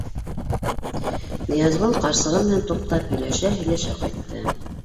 Ныязғол ҡарсығы менән туҡтап һөйләшә-һөйләшә ҡайтты: